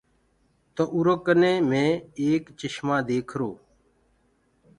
تو اُرو ڪني مڪوُ ايڪ چشمو ديکرو۔